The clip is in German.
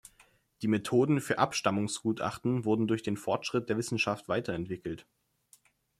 Die Methoden für Abstammungsgutachten wurden durch den Fortschritt der Wissenschaft weiterentwickelt.